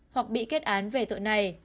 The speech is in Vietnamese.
hoặc bị kết án về tội này